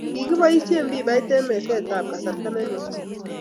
Kikiboisie pipait eng mesetab kasarta ne nwach